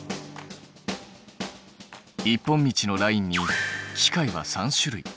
一本道のラインに機械は３種類。